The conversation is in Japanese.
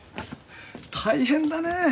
大変だねぇ。